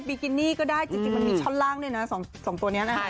ิกินี่ก็ได้จริงมันมีช่อนล่างด้วยนะ๒ตัวนี้นะคะ